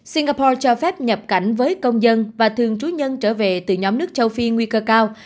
singapore cho phép nhập cảnh với công dân và thường trú nhân trở về từ nhóm nước châu phi nguy cơ cao